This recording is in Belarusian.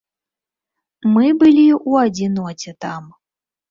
Мы былі ў адзіноце там.